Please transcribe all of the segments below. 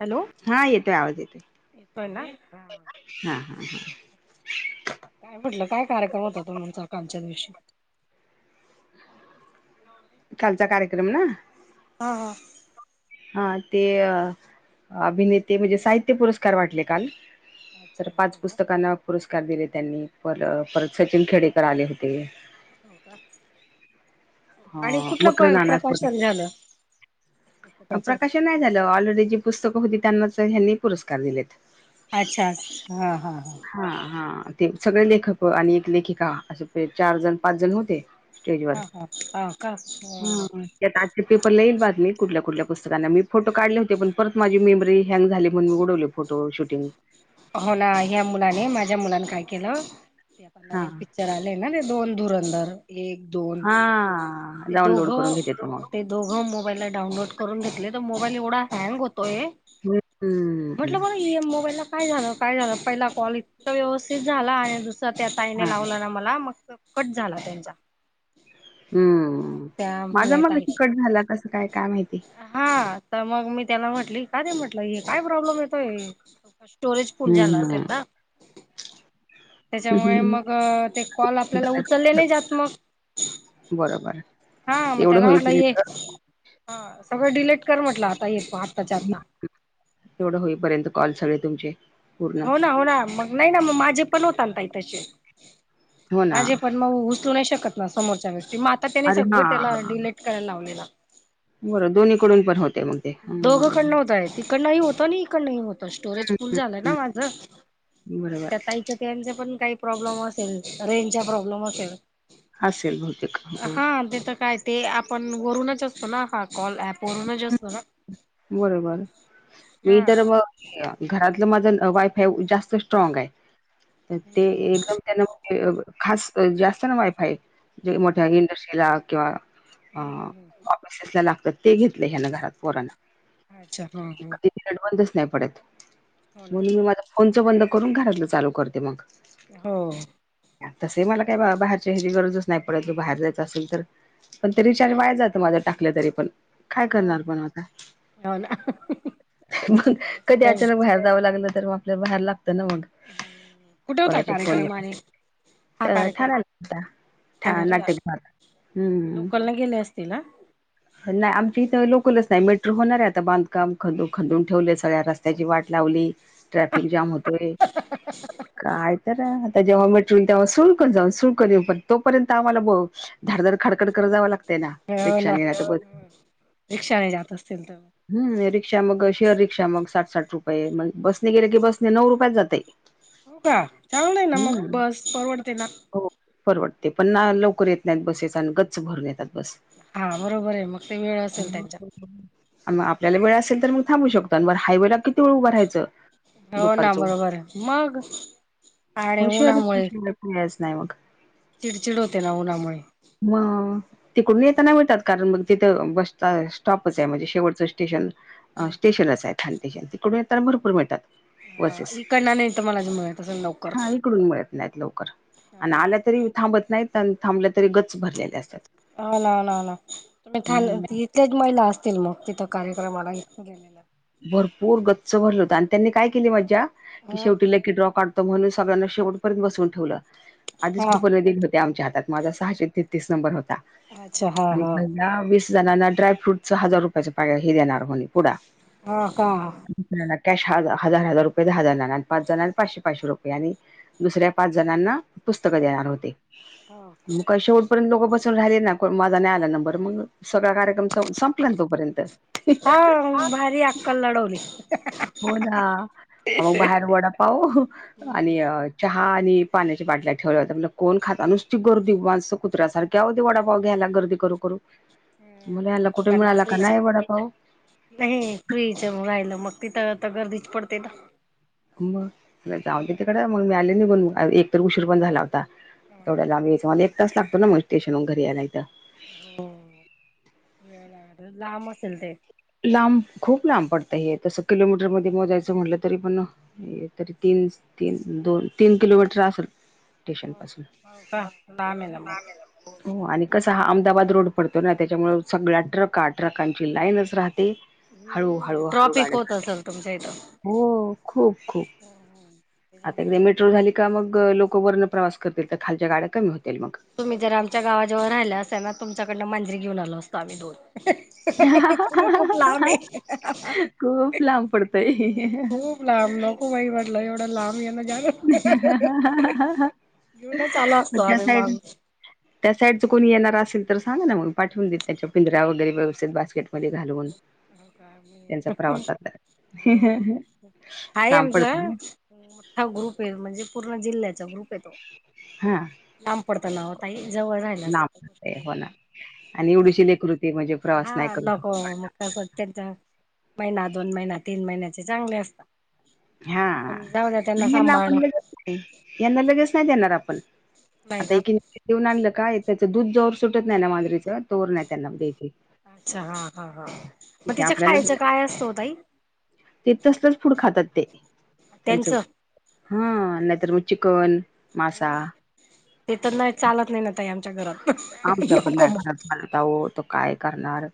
Hello हा, येतोय आवाज येतोय, येतोय ना हां, हा हा. काय म्हटलं, काय कार्यक्रम होता तुमचा, कालच्या दिवशी? कालचा कार्यक्रम ना? हां, हा. हां, ते अ अभिनेते म्हणजे साहित्य पुरस्कार वाटले काल. अच्छा तर पाच असं का पुस्तकांना पुरस्कार दिले त्यांनी, फल परत सचीन खेडेकर आले होते. हो का, हा आणि अ कुठलं मकर प प्रकाशन झालं? अं पुस्तकाचं? प्रकाशन नाही झालं ऑलरेडी जी पुस्तकं होती त्यांनाच ह्यांनी पुरस्कार दिलेत. अच्छा, हा हा हा. हा हा ते सगळे लेखक आणि एक लेखिका असं ते चार जण, पाच जण होते. स्टेजवर हा हा, हा का? हा. यात आजचे पेपरला ईल बातमी. कुठल्या-कुठल्या पुस्तकांना मी फोटो काढले होते पण परत माझी मेमरी हँग झाली म्हणून उडवले फोटो शूटिंग. हो ना, ह्या मुलाने माझ्या मुलाने काय केलं [inaudible] ते पण हा नवीन पिच्चर आल ते न ते दोन धुरंधर एक, दोन हा ते डाउनलोड दोघं करून घेते तो अ मग ते दोघं मोबाईलला डाउनलोड करून घेतलेत मोबाईल एवढा हँग होतोय. [inaudible] हम्म म्हटलं म हे मोबाईलला काय झालं, काय झालं पहिला कॉल इतक व्यवस्थित झाला आणि दुसरा त्या ताईने हा लावलं ना मला मग कट झाला त्यांचा. हम्म त्या माझा म्हणत मग एक् आहेत कट झाला कसं काय, काय माहिती. हा त मग मी त्याला म्हटली काय रे म्हटलं हे काय प्रॉब्लेम येतोय? स्टोरेज फुल झाला असेल हम्म ना. [inaudible] त्याच्यामुळे मग ते कॉल आपल्याला उचलले नाही जात मग. बरबर हा [inaudible] मग तेवढं त्याला होईल म्हटलं ये [unintelligible] हा सगळं डिलेट कर म्हटलं आता हे तु आत्ताच्या आत्ता. तेवढं होईपर्यंत कॉल सगळे तुमचे. पूर्ण हो ना, हो ना मग नाही ना मग माझे पण होता न ताई तसे. हो ना माझे पण मग उचलु नाई शकत ना समोरच्या व्यक्ती म आता त्यानी अरे हा सगळं त्याला डिलेट कराय लावलेला. बरं दोन्हीकडून पण होते मग. ते हम्म दोघं कडन होताय तीकडनई होतो अणि इकडनही हो तो स्टोरेज फुल झालंय ना हम्म माझं. [inaudible] बरोबर त्या ताई तर त्यांचा पण काई प्रॉब्लेम असेल रेंजचा प्रॉब्लेम असेल. असेल बहुतेक [inaudible] अं हो हा ते त कायच ते आपण वरूनच असतो ना हा का कॉल ऍप वरुूनच असतो ना. बरोबर मी हा तर मग घरातलं माझ वायफाय जास्त स्ट्राग आहे. तर ते हम्म एकदम त्यांन ते खास जे असतं ना वायफाय जे हम्म मोठ्या इंडस्ट्रीला किंवा अ हम्म हम्म ऑफिसेसला लागतात ते घेतलं ह्याना घरात पोराना. अच्छा हा हा. नेट बंदच नाही पडत, ना म्हणून मी माझ फोनच बंद करून घरातलं चालू करते मग. हो. तसही मला काय बा बाहेरची ह्याची गरजच नाही पडत तो बाहेर जायचं असेल तर पण ते रीचार्ज वाया जातं माझं टाकलं तरी पण काय करणार पण आता. हा ना. [inaudible] मग कधी अचानक बाहेर जावं लागलं तर मग आपल्याला बाहेर लागतं ना मग. कुठे [inaudible] होता कोणाचे फोन कार्यक्रम आणि येतात. हा अ कार्यक्रम ठाण्यात [inaudible] ठा ठाण्याला नाट्यकभग हम्म. तेला. नाही आमच्या इथं लोकलच नाही मेट्रो होणार आहे आता बांधकाम खदन खदून ठेवले सगळ्या रस्त्याची वाट लावली. ट्राफिक जाम होते. काय तर तर जेव्हा मेट्रो होईल तेव्हा सुळक जाऊन सुळ कर येऊ पण तोपर्यंत आम्हाला ब धाडधर खाडकड करा जावं लाग ते ना रिक्षानी ह, रिक्षाने जात असतील तर हम्म रिक्षा मग शेअर रिक्षा मग साठ-साठ रुपये, मग बसने गेले की बसने नऊ रुपयात जातय. हो का, चांगल आहे ना मग हम्म बस परवडते ना. हो परवडते, पण ना लवकर येत नाहीत बसेस आणि गच्च भरून येतात बस. हा बरोबर आहे मग ते वेळ असेल त्यांच्या. अन म आपल्याला वेळ असेल तर मग थांबू शकतो, अन वर हायवे ला किती वेळ उभं राहायच, हो ना दुपारच उ बरोबर आहे मग आणि हो [unintelligible] उन्हामुळे यायचं नाय मग. चिडचिड होते ना, उन्हामुळे. म तिकडून येताना मिळतात कारण मग तिथं बसचा स्टॉपच आहे, म्हणजे शेवटचं स्टेशन अ स्टेशनच आहे, [inaudible] तिकडून येताना भरपूर मिळतात. हा बसेस इकडन नाही तुम्हाला मिळत असल लवकर. नायत लवकर हो आणि ना आल्या तरी थांबत नाहीत, आणि थांबल्या तरी गच्च भरलेल्या असत्यात. हो ना, ना ना तुम्ही थांब इथल्याच महिला असतील मग तिथं कार्यक्रमाला गेलेल्या. भरपूर गच्च भरल होत, आणि त्यांनी काय केली मज्जा, की ह शेवटी लकी ड्रा काढू म्हणून सगळ्यांना शेवटपर्यंत बसून ठेवलं, आधीच हा कुपन ही दिलत ते आमच्या हातात, माझा सहाशे तेतीस नंबर होता. अच्छा हा हा दहा-वीस जणांना ड्राय फ्रूटचा हजार रुपयाचा पॅक हे देणार म्हणे पुडा हा का? दुसऱ्यांना कॅश ह हजार -हजार रुपये दहा जणांना, आणि पाच जणांना पाचशे -पाचशे रुपये आणि दुसऱ्या पाच जणांना पुस्तकं देणार होते. ह काय शेवटपर्यंत लोक बसून राहिले ना, कोण माझा नाय आला नंबर, मंग सगळ्या गाड्या कार्यक्रम संपला न तोपर्यंत. हा भारी अक्कल लढवली. हो ना, आहो बाहेर वडा पाव हम्म आणि अ चहा आणि पाण्याच्या बाटल्या ठेवल्या होत्या, म्हणल कोण खात, नुसती गर्दी माणस कुत्र्या सारखी केव्हा ती वडापाव घ्यायला गर्दी करू करू, म्हणलं यांना कुठ लोकांना मिळाला का फ्रीच नाय वडापाव? नाही फ्री च म राहिलं मग तिथं त गर्दीच पडते त. म म्हंटल जाऊ दे तिकडं, मंग मी आले निघून म एक तर उशीर पण झाला होता. एवढ्या लांब यायचं, मला एक तास लागतो ना मग स्टेशन हुन घरी यायला इथं. हो, वेळ लागत, लांब असेल ते. लांब खूप लांब पडतय हे, तसं किलोमीटर मध्ये मोजायचं म्हटलं तरी पण अ, हे तरी तीन, तीन दोन-तीन किलोमीटर असल स्टेशनपासुन. हो का लांब आहे ना मग. हो आणि कस हा अहमदाबाद रोड पडतो ना, त्याच्यामुळे सगळ्या ट्रका ट्रकांची लाईनच राह ते हळू हळू हम्म हळू ट्रॉफिक गाड्या, होत असेल तुमच्या इथं. हो खूप खूप. आता एकदा मेट्रो झाली का मग, लोक वरन प्रवास करतील तर खालच्या गाड्या कमी होतील मग तुम्ही जर आमच्या गावाजवळ राहिला असाल ना, तुमच्याकडनं मांजरी घेऊ आलो असतो आम्ही दोन. तुम्ही खूप लांब आहे, खूप लांब पडतय. खूप. लांब नको बाई म्हंटल, एवढं लांब येण -जाण घेऊनच आलो असतो त्या आम्ही साईड. मागून. त्या साईडच कोणी येणार असेल तर सांगा ना मग पाठवून देत त्याच्या पिंजरा वगैरे व्यवस्थित बास्केटमध्ये घालून त्यांचा प्रवासात आहे लांब पडत आमचं. ना मोठा ग्रुप ये म्हणजे पूर्ण जिल्ह्याचा ग्रुप ये तो हा आम पडत नाव ताई जवळ राहिला अस लांब गोष्ट पडतय हो ना. वेगळीय आणि एवढीशी लेकरू ती म्हणजे [unintelligible] प्रवास नाही हा करू नको शकत मग. आता प्रत्येक जण महिना दोन महिना तीन महिन्याचे चांगले असतात. हा पण जाऊ द्या म त्यांना ह्याला आपण सांभाळणं ल यंदा लगेच नाय देणार आपण, नाही आता का एक एक देऊन आणलं का ये त्याचं दूध जोवर सुटत नाय ना मांजरीचं तोवर नाय त्यांना देत. अच्छा हा हा हा मग ते तिच्या आपल्याला खायचं काय असतं हो ताई? ते तसलंच फूड खातात ते त्यांचं हा नायतर मग चिकन, मासा ते तर नाय चालत नाय ना ताई आमच्या घरात नको मग. मला तर आवडतं काय करणार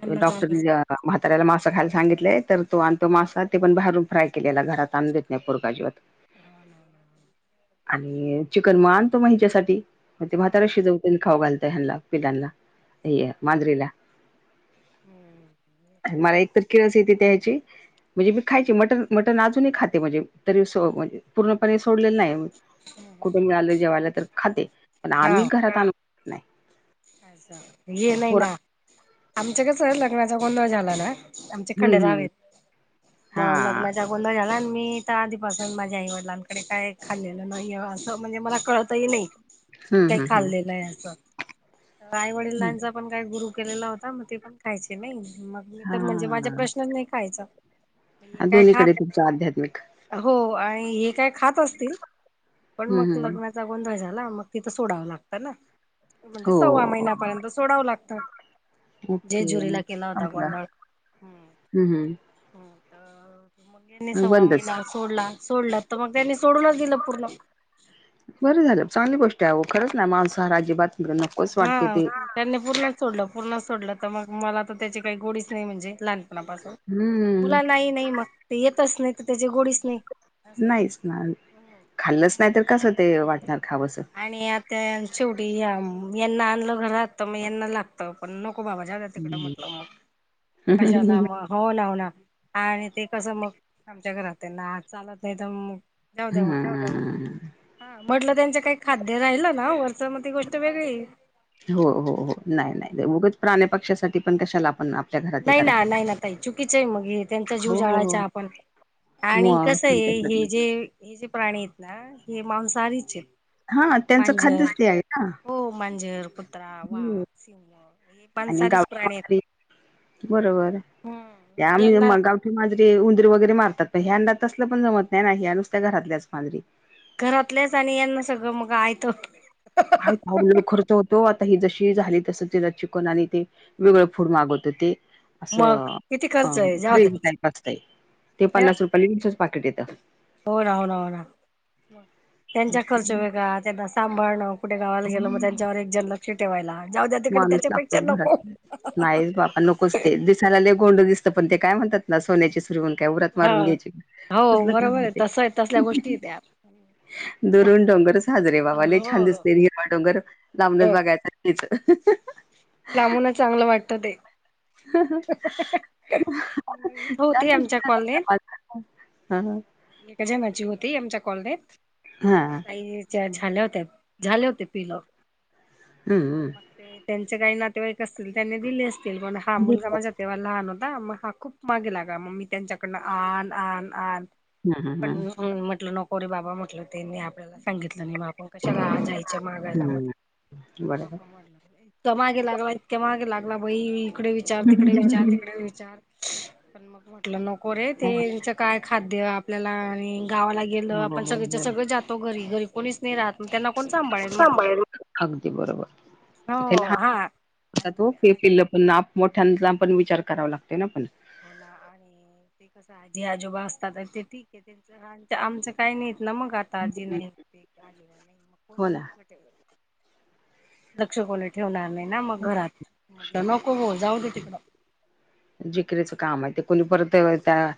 यांना डॉक्टर चालत ने म्हाताऱ्याला मासा खायला सांगितलंय तर तो आणतो मासा ते पण बाहेरून फ्राय केलेला घरात आणून देत नाही पोरगा अजिबात. [unintelligible] [inaudible] आणि चिकन म आणतो मग हिच्यासाठी मग ते म्हातारा शिजवते आणि खाऊ घालताय ह्यांनला पिलांना. येय मांजरीला. आण मला एक तर किळस येते त्या ह्याची म्हणजे मी खायचे मटन मटन अजूनही खाते म्हणजे तरीे सो म पूर्णपणे सोडलेलं नाय. कुठून मिळालं जेवायला तर खाते पण हा आम्ही घरात आण अच्छा ये नाही पोरा ना. आमच कस लग्नाचा गोंधळ झाला ना, आमचे हं हं खंडेरावेत मग हां लग्नाच्या गोंधळ झाला आणि मी तर आधीपासून माझ्या आई वडिलांकडे काय खाल्लेलं नाहीये असं म्हणजे मला कळतही नाय. कि मी हं काही हं हं खाल्लेलं आहे अस, आई हं. वडिलांचा पण काही गुरु केलेला हो आता मग ते पण खायचे नाय मग मी तर म्हणजे माझ्या हां. प्रश्नच नाही खायचा मी काय खात दोन्हीकडे तुमचं आध्यात्मिक हो आणि हे काय खात असतील पण हं मग हं लग्नात चा गोंधळ झाला मग तिथं सोडावं लागतं ना हो म्हणजे सव्वा महिन्यापर्यंत सोडावं लागतं. ओके जेजुरीला मग केला होता संपला गोंधळ हम्म. हं हं त्यांनी मग सव्वा बंदच. महिना सोडला सोडला तर मग त्यांनी सोडूनच दिलं पूर्ण. बरं झालं चांगली गोष्टी आहे अहो खरंच ना मांसाहाराची अजिबात मला नकोच वाटते हा ते. त्यांनी पूर्णच सोडलं पूर्णच सोडलं तर मग मला तर त्याची काय गोडीच नाय म्हणजे लहानपणापासून. हम्म मुलांना ही नाई मग ते येतच नाय तर त्याची गोडीच नाय. नाहीच ना खाल्लच नाय त्याच्यामुळे तर कस ते वाटणार खावंस. आणि आता यान शेवटी ह्या यांना आणलं घरात त मग यांना लागत. पण नको बाबा ज्यादा तिकड हम्म म्हटलं मग कशाला हम्म. मग हो ना हो ना आणि ते कसं मग आमच्या घरात त्यांना आ चालत नाय तर मग जाऊ द्या हम्म म्हटलं हम्म हम्म. हा म्हटलं त्यांचं काय खाद्य राहिलं ना वरच मग ती गोष्ट वेगळीये. हो हो हो नाय नाय उघच प्राण्या पक्षासाठी पण कशाला आपण आ नाय ना नाय ना ताई चुकीचंय मग हे त्यांचा जीव जाळायचा हो आपण आणि मग कसंय हे जे. हे जे प्राणी हेत ना हे मांसाहारीचे. हा, त्यांच खाद्य ते आहे ना. हो मांजर, कुत्रा, वाघ, हो सिंह हे पण आणि मांसाहारीच गावठी प्राणी आहेत. मागरी बरोबर, हम्म त्याम यांना मगा ती मांजरी उंदरी वगैरे मारतात. पण ह्यांना तसलं पण जमत नाही. ह्या नुसत्या घरातल्याच मांजरी. घरातल्याच आणि यांना सगळं मग आयत. आओ खर्च लई होतो. आता ही जशी झाली तस तिला चिकन आणि ते वेगळं फूड मागत होते. मग असं, किती ह खर्च आहे जाऊ ड्रिंक द्याच टाईप असतंय. ते पन्नास रुपयाला [unintelligible] पाॅकेट येतं. हो ना, हो ना, हो ना, त्यांचा खर्च वेगळा, त्यांना सांभाळणं कुठे गावाला गेलं मग त्यांच्यावर एक जण लक्ष ठेवायला, जाऊ द्या तिकडे त्याच्यापेक्षा नको. बा नोकस. ते दिसायला लई गोंड दिसत. पण ते काय म्हणतात ना, सोन्याची रुण काय उरात हा मारून घ्यायची, हो तसल काम बरोबर आहे ते तस तसल्या गोष्टी आहे त्या दुरून डोंगर साजरे बाबा, लय हो छान हो दिसते. हिरवा डोंगर लाबूनच बागाय चा तिचं [unintelligible] लांबूनच चांगलं वाटत ते. [inaudible] होते आमच्या कॉलनीत. हा एका जणाची होती. आमच्या कॉलनेत, मग हा ते काही झाल्या होत्या, झाले होतेय पिलं. हम्म-हम्म. मग त्यांचे काही नातेवाईक असतील. त्यांनी दिले असतील, पण हा मु हम्म तेव्हा लहान होता. मग हा खूप मागे लागा, मग मी त्यांच्याकडनं आण आण आ हम्म पण हम्म म्हटलं नकोरे बाबा म्हटलं ते, त्यांनी आपल्याला सांगितलं नाही. मग आप पण कशाला जायच मागायला, मग हम्म म्हणलं त्यामागे लागला, इतक्या मागे लागला, बाई इकडे विचार, तिकडे बरोबर विचार, तिकडे विचार, पण मग म्हटलं नकोरे तेच काय खाद्य आपल्याला आणि गावाला गेलं. आपण सगळेच्या सगळे जातो घरी-घरी. कोणीच नाही राहत. मग त्यांना कोण सांभाळेल म्हटलं. हो हा. आता आणि तो फे फि आज पण आप मोठ्यांचा पण विचार करावा लागतोय ना, पण. हो ना, आणि ते कस आजी आजोबा असतात. ते ठीक आहे. त्यां, आमचं काही नाहीत ना मग आत. ताजी नाही. हो ना [unintelligible] लक्ष कोणी ठेवणार नाही. ना मग घरात. म्हटलं नको हो, जाऊ दे तिकडं. जिकरीचं काम आहे. ते कोणी परत त्या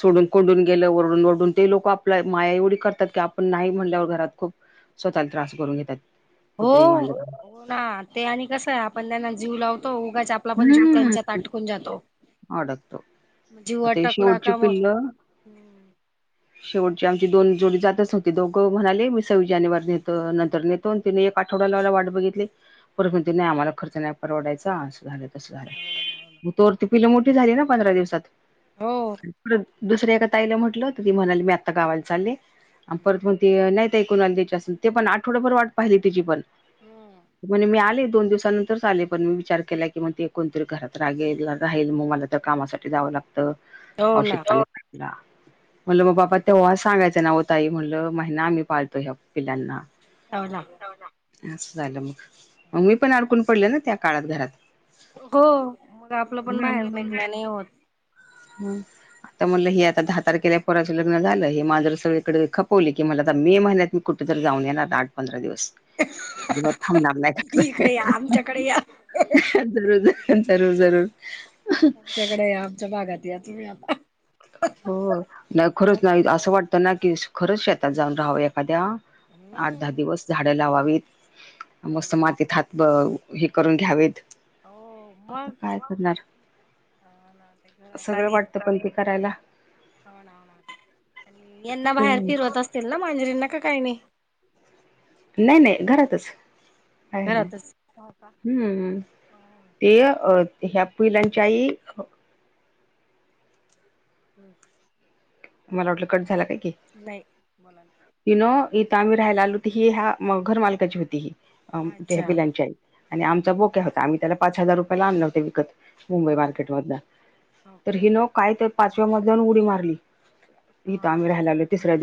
सोडून कोंडून गेलं ओरडून-ओरडून ते लोक आपल्या माया एवढी करतात की आपण नाही म्हणल्यावर घरात खूप स्वतःला त्रास करून घेतात. हो, कुत्री मांजर हो ना, ते आणि कसं आहे. आपण त्यांना जीव लावतो उगाच आपला पण जीव हम्म त्यांच्यात आठवून जातो. अडकतो जीव आता हे आटकला शेवटची का मग [inaudible] शेटची आमची दोन जोडी जातच नव्हती. दोघ म्हणाले, मी सव्वीस जानेवारी नेत नंतर नेत दोन, तीन, एक आठवडा लावायला वाट बघितली, पर म्हती नाही आम्हाला खर्च नाही परवडायचा, असं झालं. तसं झालं. हो ना हो ना. मग तोर ती पिल्ल मोठी झाली ना, पंधरा दिवसात. हो दुसऱ्या एका ताईला म्हटलं, तर ती म्हणाली मी आत्ता गावायला चालले. आणि हम्म परत म्हणती नाही. ते कुणाला द्यायचे असण ते पण आठवडाभर वाट पाहिली तेची पण. हम्म. पण मी आले दोन दिवसानंतरच आले. पण मी विचार केला की मग ते कोणतरी घरात रागेला राहील मग मला तर कामासाठी जावं लागत तं हो ना औषधला. म्हणलं म बापा तेव्हाच सांगायचं नाव ओ ताई म्हणलं महिना आम्ही पाळतो ह्या पिलांना. हा हा असं झालं मग, मी पण अडकून पडले ना त्या काळात घरात. हो मग आपलं पण बाहेर निघणं नाही होत [unintelligible] हा तर म्हणलं हे आता दहा तारखेला पोराचं लग्न झालं हे मांजरं सगळीकडे खपवली की मला आता मे महिन्यात मी कुठंतर जाऊन येणार आठ पंधरा दिवस. अजिबात हलणार नाही इकडे या आमच्याकडे या जरूर जरूर जरूर आमच्याकडे या आमच्या भागात या तुम्ही आता. हो नाही खरंच नाही असं वाटतं ना की खरंच शेतात जाऊन राहावं एखाद्या. आठ दहा हम्म दिवस झाडं लावावीत हो ना मस्त मातीत हात हे करून घ्यावेत. हो आता मग काय करणार ते घरात सगळं आणि वाटतं पाहिजे हो ना ना ना आणि यांना बाहेर हम्म फिरवत त असतील ना मांजरींना का काही नाही? नाही नाही घरातच. बाहेर घरातच. हो का नाही हम् ते अ ते ह्या पिलांची आई हम्म. मला वाटलं कट झाला काय की? नाही बोला ना ति न इथं आमी राहायला आलू त ही ह्या घर मालकाची होती हि ना. ह्या अच्छा पिलांची आई आणि आमचा बोक्या होता आम्ही त्याला पाच हजार रुपया ला आणला होता विकत. मुंबई हा मार्केट मधनं हो तर का हिनं काय तर पाचव्या मजल्यावरनं उडी मारली. इथ हा आम्ही रहायला आलो तिसऱ्या दिवस